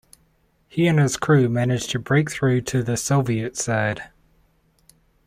He and his crew managed to break through to the Soviet side.